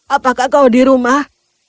apakah kau di rumah